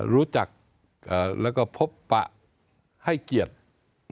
รู้จักแล้วก็พบปะให้เกียรติ